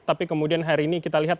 tapi kemudian hari ini kita lihat